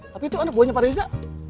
tapi tuh anak buahnya pada uza